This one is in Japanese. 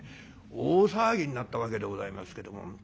大騒ぎになったわけでございますけども。